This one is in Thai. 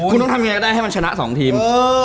คุณต้องทำได้ให้มันชนะ๒ทีม